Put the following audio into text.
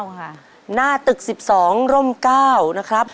หน้าตึก๑๒ร๙นะครับ